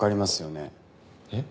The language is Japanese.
えっ？